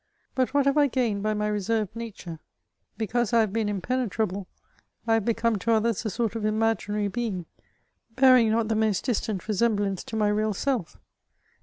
But what have I gained by my reserved nature ?— because I have been im penetrable, I have become to others a sort of imaginary being, bearing not the most distant resemblance to my real self.